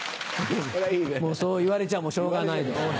そう言われちゃあもうしょうがないですね。